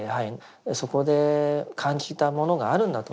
そこで感じたものがあるんだと思うんです。